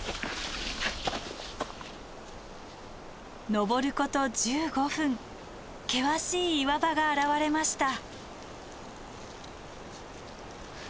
登ること１５分険しい岩場が現れました。